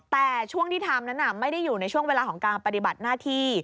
แต่ช่วงที่ทำนั้นไม่ได้อยู่ในช่วงเวลาของการปฏิบัติหน้าที่